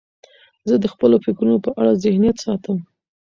زه د خپلو فکرونو په اړه ذهنیت ساتم.